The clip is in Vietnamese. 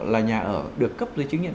là nhà ở được cấp giới chứng nhận